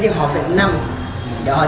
giúp sử dụng để đạt